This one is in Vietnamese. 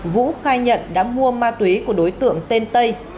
vũ khai nhận đã mua ma túy của đối tượng tên tây